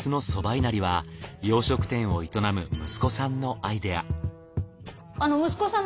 いなりは洋食店を営む息子さんのアイデア。